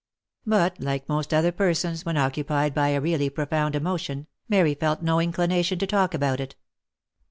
But like most other persons when occupied by a really profound emotion, Mary felt no inclination to talk about it.